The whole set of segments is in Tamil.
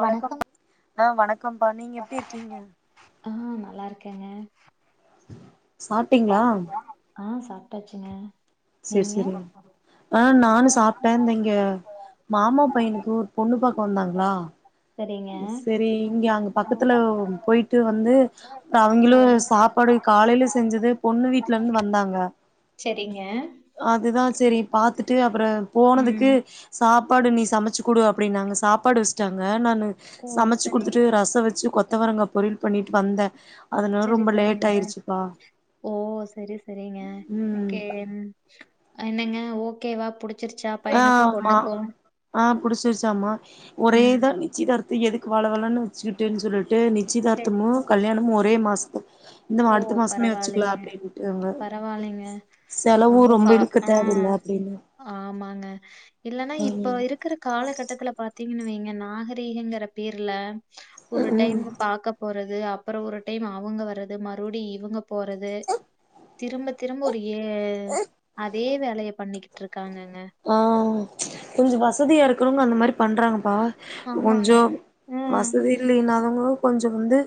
வணக்கம் அ வணக்கம்ம்பா நீங்க எப்டி இருக்கீங்க அ நல்லா இருக்கங்க சாப்ட்டீங்ளா ட்டாச்சுங்க நீங்க அ நானு சாப்ட்டே இந்த இங்க மாமா பையனுக்கு ஒரு பொண்ணு பா போந்தாங்ளா சரிங்க சரி இங்க அங்க பக்கத்துல போயிட்டு வந்து அவங்களு சரி சாப்பாடு காலையில செஞ்சது பொண்ணு வீட்ல இருந்து வந்தாங்க சேரிங்க சரி பாத்துட்டு அப்புற போனதுக்கு சா ப்பாடு நீ சமைச்சு கொடு அப்படின்னாங்க சாப்பாடு வச்சுட்டாங்க நானு ஓ சமைச்சு சரி கொடுத்துட்டு ரசம் வச்சு கொ த்தவரங்க பொறியல் பண்ணிட்டு வந்த அதனால சரி ரொம்ப லேட் சரிங்க ஆயிடுச்சுப்பா ஓ சரி சரிங்க ம் ஓகே என்னங்க ஓகேவா புடி ஆ ஆமா ஆ புடிச்சிருச்சமா ம் ஒரேதா நிச்சிதா எதுக்கு வல வளன்ன வச்சுக்கிட்டு சொல்லிட்டு சரி நிச்சயதார்த்தமு கல்யாணமு ஒரே மாசோ இந்த ஓ அடுத்த மாசமே வச்சுக்கலா பரவாயில்லைங்க அப்படின்னுட்டு அவங பரவாயில்லைங்க செலவு ரொம்ப பா இழுக்க ஆ தேவ இல்ல அப்படின்னு ஆமாங்க இல்லன்னா இப்ப இருக்கிற காலகட்டத்துல பாத்தீங்கன்னு வைங்க நாகரீகங்கற பேர்ல ஒரு ம் ம் டைம் பாக்க போறது அப்புறம் ஒரு டைம் அவங்க வர்றது மறுபடியு இவங்க போறது திரும்ப திரும்ப ஒரு ஏ அதே வேலைய பண்ணிக்க ஆ கொஞ்ச வசதியா இருக்குறவங்க அந்த மாதிரி பண்றாங்க இப்ப கொஞ்ச ஆமாங்க. ம். வசதி இல்லைனாதவங்க கொஞ்சோ வந்து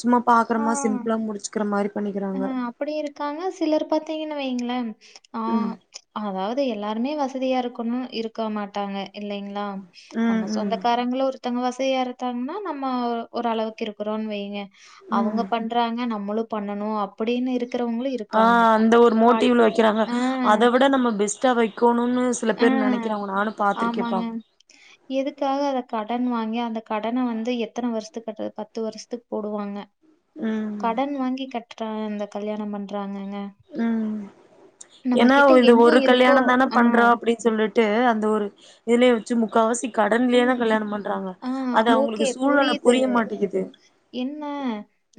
சும்மா ஆ. பாக்குறோமா சிம்பிளா முடிச்சுக்கிற மாதிரி அ அப்படி இருக்காங்க சிலர் பாத்தீங்கன்னு வைங்கள ஆ ம் அதாவது எல்லாருமே வசதியா இருக்கும்ன்னு இருக்க மாட்டாங்க இல்லைங்களா ம் நம்ம ம் சொந்தக்காரங்கள ஒருத்தங்க வச ஒரே ஒருத்தாங்க நா நம்ம ஒரு அளவுக்கு இருக்கிறோ வைங்க ம் அவங்க பண்றாங்க நம்மளும் பண் ஆ அந்த ஒரு காட் மோட்டிவ்ல வைக்கிறாங்க ஆ, அத விட நம்ம பெஸ்ட்டா வைக்கணு ம் சில ஆ. பேர் நினைக்கிறாங்க நானு ஆமாங்க. பா்த்திருக்கேப்பா எதுக்காக அத கடன் வாங்கி அந்த கடன வந்து எத்தன வருஷத்துக்கு கட்டுரது பத்து வருஷத்துக்கு போடுவாங்க ம் கடன் வாங்கி கட்டுறா அந்த கல்யாண பண்றாங்க ம் நம்ம ஏன்னா கிட்ட இது என்ன ஒரு இருக்கோ கல்யாண தான ஆ பண்றோ அப்டின்னு சொல்லிட்டு அந்த ஒரு இதுலயே வச்சு முக்காவாசி கடன்லே தா ம். கல்யாணம் பண்றாங்க ஆ, அது ஓகே அவங்களுக் சூழ்நில புரியுது. புரிய மாட்டேக்குது என்ன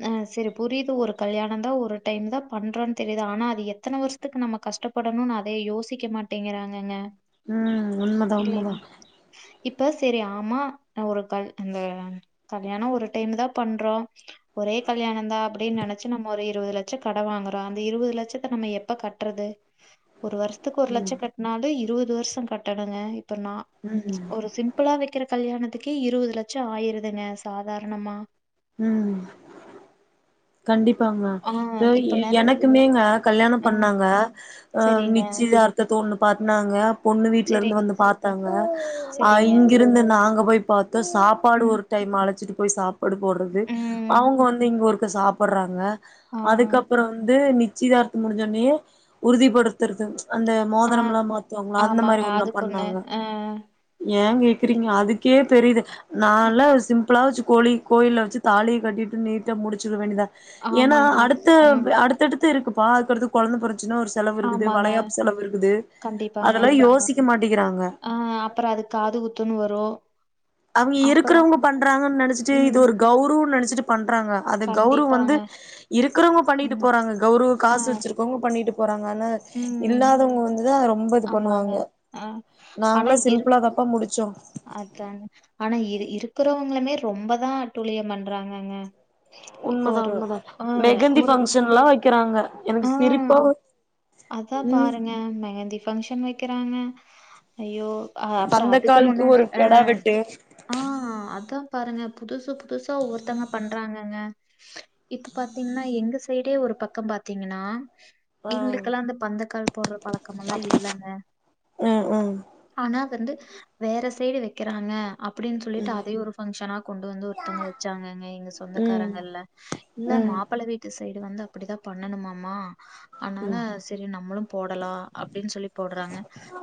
ஆ சரி புரியுது ஒரு கல்யாணம் தா ஒரு டைம் தா பண்றோ தெரியுது ஆனா அது எத்தன வருஷத்துக்கு நம்ம கஷ்டப்படணு அதையா யோசிக்க மாட்டேங்கிறாங்கங்க உம் உண்மதா உண்மதா இல்லைங்க. இப்ப சரி ஆமா ஒரு கல் அந்த கல்யாணம் ஒரு டைம் தா பண்றோ ஒரு ஒரே கல்யாணம்ந்தா அப்படின்னு நினைச்சு நம்ம ஒரு இருபது லட்சம் கட வாங்குறோ அந்த இருவது லட்சத்த நம்ம எப்ப கட்டுறது ஒரு வருஷத்துக்கு ஒரு லட்ச கட்னாலு இருபது வருஷம் கட்டணுங்க இப்ப நா ம் ஒரு சிம்பிளா வைக்கிற கல்யாணத்துக்கே இருவது லட்சம் ஆயிருதுங்க சாதாரணமா உம் கண்டிப்பாங்க ஆ இப்ப ஏ நிறைய எனக்குமேங்க கல்யாணம் ஆ பண்ணாங்க சரிங்க நிச்சி யார்கு தோண்ல பண்ணாங்க பொண்ணு வீட்ல இருந்து சரிங்க வந்து பாத்தாங்க அ சரிங்க இங்கிருந்து நாங்க போய் பாத்தோ சாப்பாடு ம் ஒரு டைம் அழச்சுட்டு போய் சாப்பாடு போட்றது ம் அவங்க வந்து இங்க ஒருக்க சாப் பட்றாங்க ஆ அதுக்கப்புறோ வந்து நிச்சிதார்த்தோ முடிஞ்சோட்னயே உறுதிப்படுத்துறது அந்த ஆ மோதரம்லா மாத்துவாங்ள அந்தமாரி ஆமாங்க ஒன்னு அதுக்கு ஒண்ணு பண்ணாங்க ஆ ஏ கேக்குறீங்க அதுக்கே பெரிது நாலா சிம்புளா வெச்சு கோழி கோயில்ல வெச்சு தாலிய கட்டிட்டு நீட்டா முடிச்சிட வேண்டிதா எனா ஆமாங்க அடுத்து ம் அடுத்தடுத் து இருக்குப்பா அதுக்கடுத்து கொழந்த பொறந் ச்சுனா ஒரு செலவு இருக்குது ஆமாங்க வளையாப்பு செலவு இருக்குது கண்டிப்பாங்க அதெல்லா யோசிக்க மாட்டிக்கிறாங்க காதுகுத்துன்னு வரு அவங்க இருக்கறவ்ங்க பண்றாங்கன் நெனச்சிட்டு இது ம் ஒரு கௌரவன் நெனச் பண்றாங்க அது கௌரவ வந்து கண்டிப்பாங்க இருக்குறவங்க பண்ணிட்டு ம் போறாங்க கௌரவ ஆ காசு வெச்சுருக்கவங்க பண்ணிட்டு போறாங்க ஆனா ம் இல்லாதவங்க வந்துதா ரொம் ரொம்ப இது ஆமாங்க. பண்ணுவாங்க ஆ ஆனா நாங்களாம் இருக் சிம்பிளாதாம்பா முடிச்சோ அதாங்க. ஆனா இரு இருக்கறவங்களுமே ரொம்பதான் அட்டுழியம் பண்றாங்கங்க இப்போ உண்மதா ஒரு உண்மதா ஆ மெகந்தி ஒரு ஃபங்க்ஷன்லாம் வக்கிறாங்க ஆ அதான் ம் பாருங்க மெகந்தி ஃபங்க்ஷன் வை க்கிறாங்க ஐயோ அ அப்பறம் அதுக்கு பந்தக்காலுக்கு முன்னாடி ஒரு அ கெடா வெட்டு ஆ அதான் பாருங்க புதுசு பு புதுசா ஒருத்தவங்க பண்றாங்கங்க இப்ப பாத்தீங்கன்னா எங்க சைடே ஒரு பக்கம் பாத் தீங்கன்னா ஆ எங்களுக்கெல்லாம் அந்த பந்தக்கால் போடற பழக்கமல்லா இல்லிங்க ம் ம் ஆனா வந்து வேற சைடு வக்கிறாங்க அப்பிடின்னு சொல்லிட்டு அதே ஒரு ஃபங்க்ஷனா கொண்டு வந்து ஒருத்தவங்க வச்சாங்கங்க எங்க ம் சொந்தக்காரங்கள்ள ம் மாப்பள வீட்டு சைடு வந்து அப்பிடிதான் பண்ணணுமா மா அதனால செரி நம்பளும் போடலாம் அப்பிடின்னு சொல்லி போடுறாங்க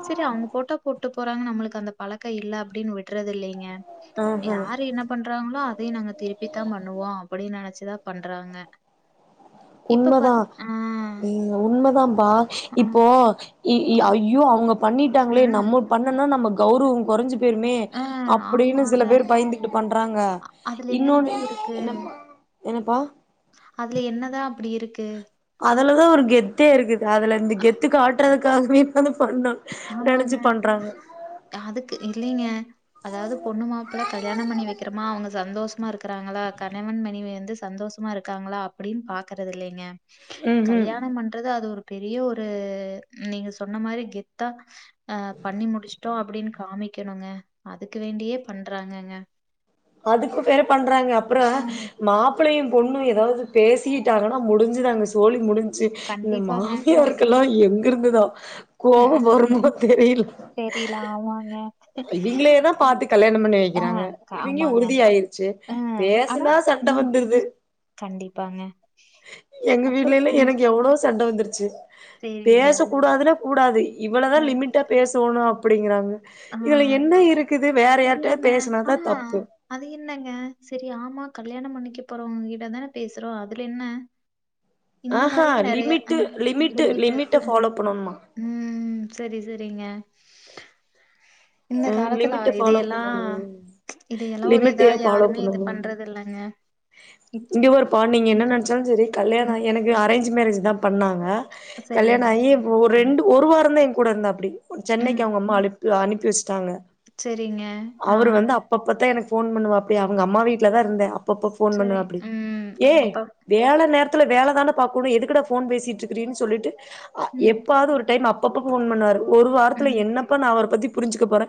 சரி அவுங்க போட்டா போட்டோ போறாங்க நம்பளுக்கு அந்த பழக்க இல்ல அப்பிடின்னு விடறது இல்லை ங்க ஆஹா யாரு என்ன பண்றாங்களோ அதையும் நாங்க திருப்பித்தான் பண்ணுவோம் அப்பிடின்னு நெனச்சே இதா பண்றாங்க இப்ப பாத் உண்மதான் ஆ, ம் உண்மதாம்ப்பா ஆ, இப்போ ஏ ஐயோ அவுங்க பண்ணிட்டாங்களே ம். நம்ம பண்ணனா நம்ம கௌரவம் கொறஞ்சு பேருமே ஆ, அப்பிடின்னு சில ஆமாங்க. பேர் பயந்துகிட்டு பண்றாங்க அதுல என்னங்க இன்னொன்னு இருக்கு? என்னப்பா அதுல என்னதான் அப்பிடி இருக்கு அதுலதா ஒரு கெத்தே இருக்குது அதுல இந்த ஆ, கெத்து காட்டுறதுக்காகவே இப்ப வந்து பண்ணு ஆமாங்க. நெனச்சு பண்றாங்க அதுக்கு இல்லைங்க அதாவது பொண்ணு மாப்பிள்ள கல்யாணம் பண்ணி வெக்கிறமா அவங்க சந்தோஷமா இருக்கிறாங்களா கணவன் மனைவி வந்து சந்தோஷமா இருக்காங்களா அப்படின்னு பாக்கறது இல்லைங்க ம் ம் கல்யாணம் பண்றது அது ஒரு பெரிய ஒரு நீங்க சொன்ன மாரி கெத்தா அ பண்ணி முடிச்சுட்டோ அப்டின்னு காமிக்கணுங்க அதுக்கு வேண்டியே பண்றாங்கங்க அதுக்கு பே பண்றாங்க அப்புறம் ம் மா ப்பிளையு பொண்ணு எதாவது பேசிகிட்டாங்கன்னா முடிஞ்சுது அங்க சோழி முடிஞ் சு இந்த கண்டிப்பாங்க மாமியாருக்கெல்லா எங்கிருந்துதா கோவ ம் ம் வருமோ தெரில தெரியல ஆமாங்க இவிங்களேதா பாத்து கல்யாணம் பண்ணி ஆ வெக்கிறாங்க க- இவிங்க ஆமாங்க உறுதியாயிருச்சு ஆ ஆனா பேசுனா சண்ட ம் வந்துருது கண்டிப்பாங்க எங்க அப்பற வீட்லலா எனக்கு எவ்ளோ சண்ட வந்துருச்சு பேசக் கூடாதுன்னா கூடாது இவ்வளதா லிமிட்டா பே சோணு அப்டிங்கறாங்க ஆ இல்லங்க ஆ பேசுனாதா தப்பு அது என்னங்க செரி ஆமா கல்யாணம் பண்ணிக்க போறவங்க கிட்ட தான பேசுறோ அதுலென்ன இந்த ஆஹா மாரியு நெறைய அ லிமிட்டு லிமிட்டு லிமிட்ட அ ஃபாலோ பண்ணணுமா ம் செரி செரிங்க இந்த ஆ காலத்துல அ லிமிட்ட ஃபாலோ இதையெல்லா பண்ணணு இதயெல்லா ஒரு இதா லிமிட்டயே ஃபாலோ யாருமே இது பண்ணணு பண்றது இல்லங்க இப் இங்க பாருப்பா நீங்க ம், என்ன ம். நெனச்சாலு செரி கல்யா ண ம். எனக்கு அரேஞ்ச் மேரேஜ் தா பண்ணாங்க சரிங்க. கல்யாண ஆயி ஒரு ம், ரெண்டு ஒரு வாரந்தே கூட இருந்தாப்டி சென்னைக்கு ம். அவங்க அம்மா அனுப்பு அனுப்பி வெச் தாங்க சரிங்க. ஆ அவரு வந்து அப்பப்பதா எனக் ஃபோன் பண்ணுவாப்டி அவங்க அம்மா வீட்ல தா இருந்த அப்பப்ப ஃபோன் சரி. பண்ணுவாப்டி ம். ஏ அப்ப வேல நேரத் த்துல வேல தான பாக்கணு எதுக்குடா ஃபோன் பேசிட்டுருக்குரீனு சொல்லிட்டு அ ம், எப்பாது ஒரு டைம் அப் பப்ப ஃபோன் பண்ணுவாரு ஒரு வாரத்ல ம். என்னப்பா நா அவர பத்தி புரிஞ்சுக்க போற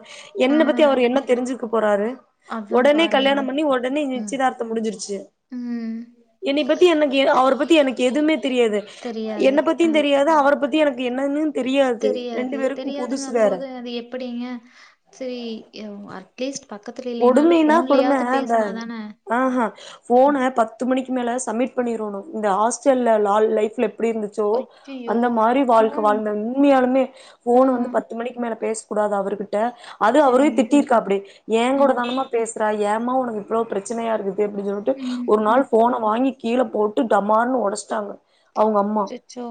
ஆ என்ன பத்தி அவரு என்ன தெரிஞ்சுக்க போறாரு அதான் ஒடனே பாருங்க. கல்யாணொ பண்ணி ஒடனே ம், நிச்சயதார்த்தோ முடிஞ்சிருச்சு ம். என்னிய பத்தி எனகு அவர் பத் தி எனக்கு எதுமே தெரியாது தெரியாது. என்ன பத்தியு ஆ. தெரியாது அவர பத்திய் எனக்கு என்னது தெரியாது தெரியாதுங்க போது அது எப்டிங்க செரி அட்லீஸ்ட் பக்கத்துல இல்லைனாலும் கொடுமைன்னா கொடும அ ஃபோன்லயாவது பேசுனா தான. ஆ ஃபோன பத்து மணிக்கு மேலே சம்மிட் பண்ணிரோணு இந்த ஹாஸ்டல்ல லால் லைஃப்ல அப்டி இருந்துச்சோ அய்யய்யோ! அந்த மாரி ஆ, வாழ்க்க வாழ்ந்த உண்மியாலுமே ஆ, ஃபோன வந்து பத்து மணிக்கு மேல பேச கூடாது அவருகிட்ட அது அவரெ சரிங்க. திட்டிருக்காப்டி ஏ ஆ, கூட தானமா பேச ரா‌ ஏமா உனக்கு இவ்ளோ பிரச்சனையா இருக்குது அப்டின்னு சொல்லிட்டு ம், ஒரு நாள் ம். ஃபோன வாங்கி கீழ போட்டு டமார்ன்னு ஒடச்ட்டாங்க அவுங்க அம்மா அச்சச்சோ!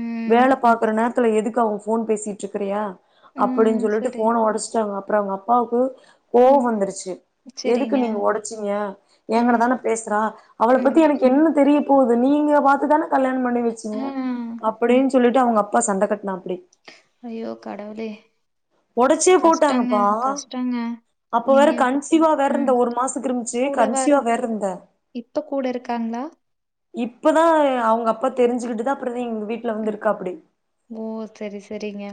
ம், வேல பாக்குற நே த்துல எதுக்கு அவங்க ஃபோன் பேசிட்ருக்கிறியா அப்படின்னு ம். சொல்லிட்டு சரி. ஃபோன ஒடஸ்ட்டாங்க அப்றொ அவங்க அப்பாவுக்கு ம். கோவந்துருச்சி எதுக்கு சரிங்க. நீங்க ஒடச்சீங்க ஏங்கட்ட ம், தானே பேசுறா அவளை பத்தி ம். எனக்கு என்ன தெரியு போகுது நீங்க பாத்து தானே கல்யாணொ பண்ணி வெச்சீங்க ஆ. அப்டீன்னு சொல்லிட்டு அவங்கப்பா சண்ட கட்னா அய்யோ கடவுளே ஒடச்சே கஷ்டங்க போட்டாங்கப்பா கஷ்டங்க அப்ப வேற நீங்க இப்ப கன்சிவா வேற இருந்த ம். ஒரு மாச கிரும்பிச்சு கூடவா இரு- கன்சிவா வேருந்தே இப்ப கூட இருக்காங்ளா இப்பதா அவங்க அப்பா தெரிஞ்சுகிட்டு தா அப்புறதா எங்க வீட்ல வந்து ம். இருக்காப்டி ஓ செரி செரிங்க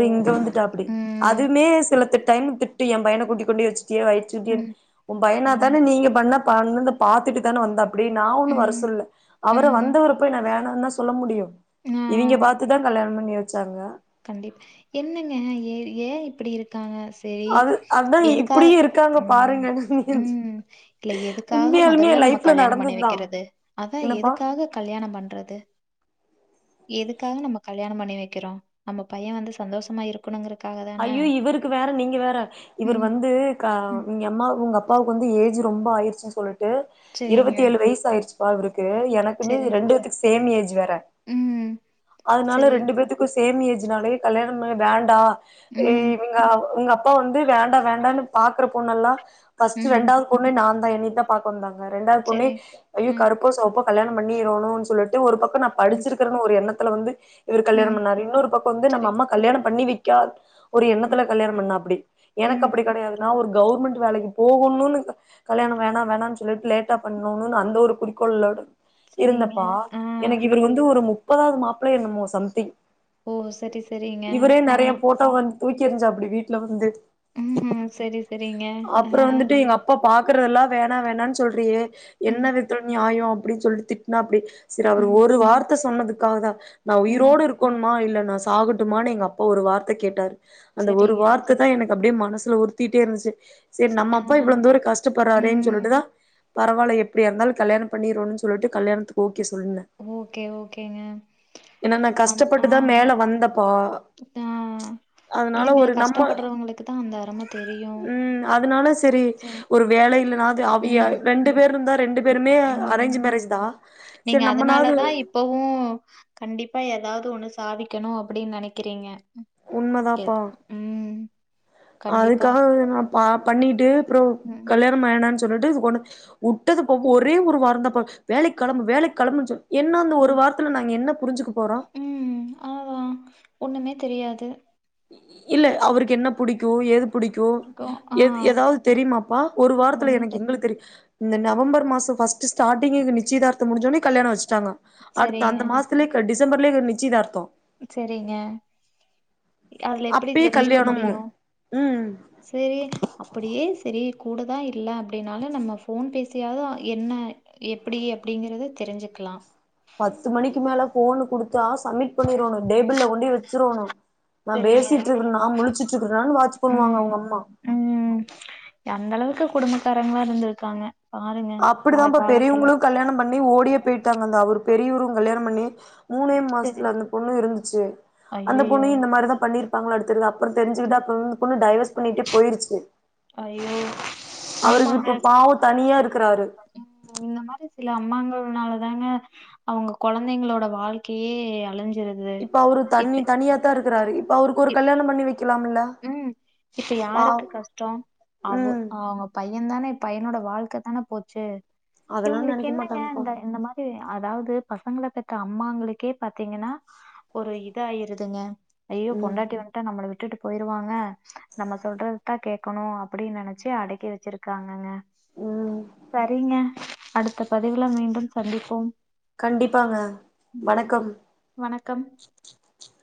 ஓ இங்க வந்துட்டாப்டி ம் அதுமே சில டைம் திட்டு என் பையன கூட்டி கொண்டேச்சுட்டே வயசுட்டியெ ம். உன் பயனா ம் தான நீங்க பண்ண பன்து பாத்துட்டு தான வந்தாப்டி நா ஒன்னு வர ம் சொல்ல அவர ம் வந்தவர போய் நா வே நாந்தா சொல்ல முடியு இவிங்க பாத்துதா கல்யாணம் பண்ணி வெச்சாங்க கண்டிப் என்னங்க ஏ ஏ இப்டி இருக்காங்க செரி அது அதா எதுக்காக இப்டியு இருக்காங்க ம் பாருங்கன்னு ம் இல்ல எதுக்காக உண்மையாலுமே மொதல்ல என் நம்ம லைஃப்ல கல்யாணொ பண்ணி நடந்ததுதா வெக்கறது அதா என்னப்பா எதுக்காக கல்யாணொ பண்றது எதுக்காக நம்ம கல்யாணொ பண்ணி வக்கிறோ நம்ம பைய வந்து சந்தோஷமா இருக்கணுங்க ஐ்யோ இவருக்கு வேற நீங்க வேற இவர் ம் வந்து க ம் அம்மா உங்க அப் ப்பாவுக்கு வந்து ஏஜ் ரொம்ப ஆயிருச்சு சொல்லிட்டு சரிங்க. இருவத்தி ஏழு வைய்சாயிச்சுப்பா இவருக்கு க்கு எனக்குமே சரி. ரெண்டு வேத்துக்கு சேம் ஏஜ் வேற ம் அதனால சரி. ரெண்டு பேத்துக்கு சேம் ஏஜ்னாலயே கல்யாணமே வேண்டா ம் இவங்க உங்க அப்பா வந்து வேண்டா வேண்டானு பாக்குற பொண்ணெல்ல ஃபர்ஸ்ட்டு ம் ரெண்டாவது பொண்ணே நாந்தா என்னிதா பாக்க வந்தாங்க ரெண்டாவது பொண்ணெ சரி. ம் கருப்போ சொவப்பொ கல்யணொ பண்ணிரொணுனு சொல்லிட்டு ஒரு பக்கொ நா ம் படிச்சிருக்கிறன்னு ஒரு எண்ணத்துல வந்து இவர் கல்யாணொ ம் பண்ணாரு இன்னொரு பக்கோ வந்து சரி. நம்ம அம்மா கல்யாணோ பண்ணி வைக்கா ஒரு எண்ணத்துல ம் கல்யாணொ பண்ணாப்டி எனக்கு அப்டி ம் கெடையாது நா ஒரு கவுர்மெண்ட் வேலைக்கு போகணுன்னு கல்யாணொ வேணா வேணானு சொல்லிட்டு லேட்டா பண்ணூனு அந்த ஒரு குறிக்கோள்ளோட சரிங்க. இருந்தப்பா ஆ. எனக்கு இவரு வந்து ஒரு முப்பதாவது மாப்ள்ளயோ என்னமோ சம்தி ஓ சரி சரிங்க ஆ போட்டோ தூக்கி எருஞ்சா அப்படி வீட்ல வந்து ம் ம் சரி சரிங்க அ பாக்றதெல்லா வேணா வேணான்னு சொல்றியே ம், என்ன வி்த்ல நியாய அப்படின்னு சொல்லி திட்னா அப்டி சரி அவர் ம், ஒரு வார்த்தை சொன்னதுக்காக தா நா ம். உயிரோடு இருக்குணுமா இல்லன் நா சாகட்டுமானு எங்க அப்பா ஒரு வார்த்தை கேட்டாரு அந்த ஒரு சரிங்க. வார்த்தை தா எனக்கு அப்படியே ம மனசுல உருத்திட்டே இருந்துச்சு சரி ச நம்ம ஆ. அப்பா இவ்ளோந் தூர கஷ்டப்பட்றாருேன்னு ம். சொல்லிட்டுதா பரவால்ல எப்டியா இருந்தாலு கல்யாண பண்ணிருணோனு சொல்லிட்டு கல்யாணத்துக்கு ஓ ஓகே ஓகே என்னன்னா கஷ்டப்பட்டுதா நா மேல வந்தப்பா ஆ அதனால இல்லங்க ஒரு நம்ம கஷ்டப்படுறவங்களுக்கு தான் அந்த அரும தெரியும். ம் அதனால சரி ஒரு வேலை இல்லனாது அவிய ம், ரெண்டு பேருந்தா ரெண்டு பேருமே அரேஞ்ச் ம். மேரேஜ் தா நீங்க சரி அதனால நம்மனாது எதாவது ஒண்ணு சாதிக்கணு அப்டின்னு நினைக்கிறீங்க உண்மதாப்பா கண்டிப்பா. அதுக்காக நா பா பண்ணிட்டு அப்புறோ ம், கல்யாயோ மைணா சொல்லிட்டு ஒண்ணு உட்டதுக்கு ஒரே ஒரு வாரந்தப்பா வேலைக்கெலம்பு வேலைக்கெலம்பு சொல் என்ன அந்த ஒரு வாரத்துல நாங்க என்ன புரிஞ்சுக்கு உம் அவோளோதா ஒண்ணுமே தெரியாது இல்ல அவருக்கு என்ன புடிக்கு எது புடிக்கு இருக்கும். எ ஆ. ஏதாவது தெரியுமாப்பா ஒரு வாரத்துல ஒண்ணு தெ எனக்கு எங்களுக்கு தெரியு இந்த நவம்பர் மாசோ ஃபஸ்ட ஸ்டார்டிங்லே நிச்சதாரத்தோ முடிசோனே கல்யாணோ வச்ட்டாங்க அடுத்து சரிங்க அந்த மாசத்துலே டிசம்பர்லே எங்ளுக்கு நிச்சயதார்தோ செரிங்க அதுல எப்டி அப்பயே தெரிஞ்சுக்க கல்யாணமு முடியு ம் செரி அப்டியே செரி கூடதா இல்ல அப்டின்னாலு நம்ம போன் பேசியாது என்ன எப்டி அப்டிங்கறத தெரிஞ்சுக் க்கலா பத்து மணிக்கு மேல போனு குடுத்தா சப்மிட் பண்ணிருவாங்க டேபிள் கொண்டே வச்சிரணு நா சரிங்க பேசிட்டு இருக்கெனா முலுச்சுட்டு இருக்கனான்னு வாட்ச் பண்ணுவாங்க ம் அவுங்க அம்மா மிக்க குடும்பக்காரங்களா இருந்துருக்காங்க அப்படி தாப்பா பெரியவங்களு கல்யாண பண்ணி ஓடியே போயிட்டாங்க அந்தா அவர் பெரியவரு கல்யாணொ பண்ணி மூணே சரி மாசத்துல அந்த பொண்ணு இருந்துச்சு அந்த ஐயையோ பொண்ணு இந்த மாரிதா பண்ணிருப்பாங்கள அடுத் தெ அப்புறோ தெரிஞ்சுக்கிட்டா போது அந்த பொண்ணு டைவர்ஸ் பண்ணிட்டே போயிருச்சு ஐயோ அவருக்கு ஆமாங்க இப்ப பாவோ தனியா இருக்குறாரு அம்மாங்கனால தாங்க அவுங்க கொழந்தைங்களோட வாழ்க்கையே அழஞ்சு இப்ப அவரு தண்ணி தனியாதா இருக்குறாரு இப்ப அவருக்கு ஒரு கல்யாண பண்ணி வைக் உம் இப்ப யாருக்கு கஷ்டோ அவு ம் அவுங்க பைய் என்னனே பைய்யனோட வாழ்க்க தானே போச்சு அதெல்லா இவுங்களுக்கு நெனைக்க என்னங்க மாட்டாங்கப்பா இந்த இந்த மாதிரி அதாவது பசங்கள பெத்த அம்மாங்களுக்கே பாத்தீங்கன்னா ஒரு இத ஆயிருதுங்க ஐயோ ம் பொண்டாட்டி வந்டா நம்மள விட் போயிருவாங்க நம்ம சொல்றது தா கேட்கணு அப்டின்னு நெனச்சி அடக்கி வச்சிருக்காங்கங்க ம் சரிங்க அடுத்த பதிவுள மீண்டும் சந்திப்போம் கண்டிப்பாங்க வணக்கம் வணக்கம்